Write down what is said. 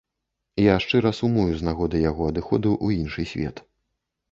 Я шчыра сумую з нагоды яго адыходу ў іншы свет.